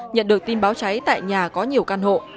nhận được tin báo cháy tại nhà có nhiều căn hộ